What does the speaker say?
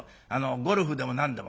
ゴルフでも何でも。